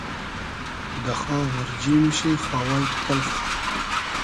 دۂ خاو اۉرجی موشی خاوای تو تئلخۂ